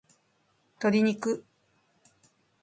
鶏肉